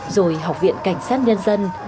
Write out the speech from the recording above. rồi học viện cảnh sát nhân dân